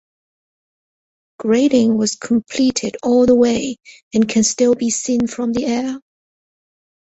Grading was completed all the way, and can still be seen from the air.